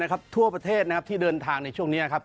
ท่านครับทั่วประเทศที่เดินทางในช่วงเนี่ยครับ